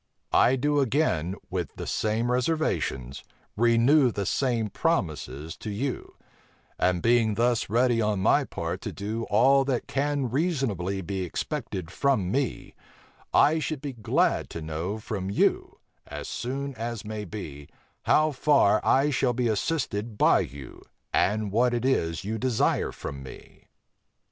I do again, with the same reservations, renew the same promises to you: and being thus ready on my part to do all that can reasonably be expected from me, I should be glad to know from you, as soon as may be, how far I shall be assisted by you, and what it is you desire from me."